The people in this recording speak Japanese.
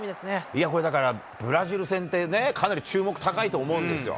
いや、これ、だから、ブラジル戦ってね、かなり注目高いと思うんですよ。